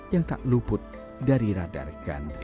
yang tak luput dari radar gandri